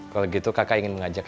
kalau gitu kakak ingin mengajak